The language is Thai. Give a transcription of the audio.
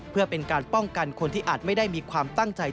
เพื่อเป็นการป้องกันคนที่อาจไม่ได้มีความตั้งใจ